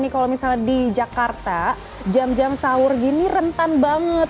kalau misalnya di jakarta jam jam sahur gini rentan banget